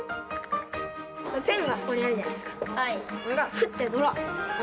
ペンがここにあるじゃないですか。